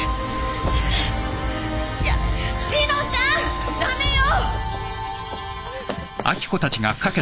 志乃さん駄目よ！